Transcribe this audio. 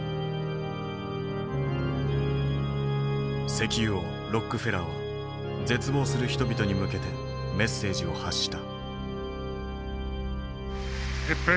石油王ロックフェラーは絶望する人々に向けてメッセージを発した。